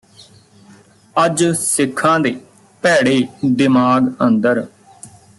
ਅੱਜ ਸਿੱਖਾਂ ਦੇ ਭੈੜੇ ਦਿਮਾਗ ਅੰਦਰ